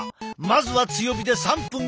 まずは強火で３分加熱。